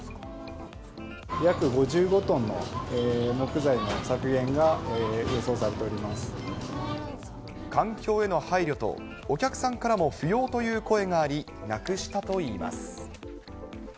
約５５トンの木材の削減が予環境への配慮とお客さんからも不要という声があり、なくしたといいます。